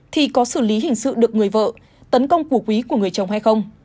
thì có xử lý hình sự được người vợ tấn công của quý của người chồng hay không